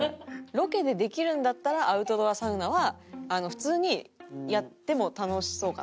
ロケでできるんだったらアウトドアサウナは普通にやっても楽しそうかなって思いましたね。